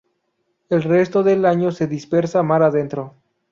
El resto del año se dispersa mar adentro.